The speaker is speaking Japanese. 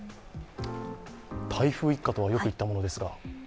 台風一過とはよく言ったものですが？